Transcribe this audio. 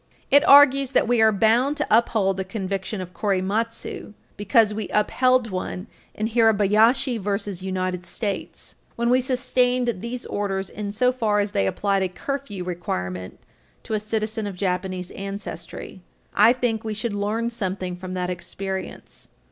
It argues that we are bound to uphold the conviction of Korematsu because we upheld one in Hirabayashi v. United States, 320 U. S. 81, when we sustained these orders insofar as they applied a curfew requirement to a citizen of Japanese ancestry. I think we should learn something from that experience.